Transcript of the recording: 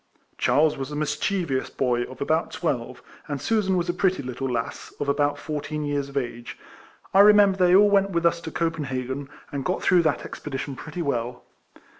Charles was a mischievous boy of about twelve, and Susan was a pretty little lass, of about fourteen years of age. I remem 138 RECOLLECTIONS OF ber tliey all went with us to Copenhagen, and got through that expedition pretty well.